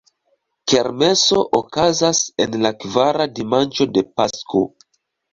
Kermeso okazas en la kvara dimanĉo de Pasko.